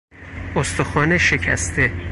استخوان شکسته